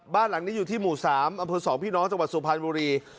บ้านหลังนี้อยู่ที่หมู่๓อำเภอ๒พี่น้องจังหวัดสุพรรณบุรี